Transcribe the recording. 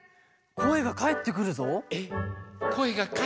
⁉こえがかえってくるぞ。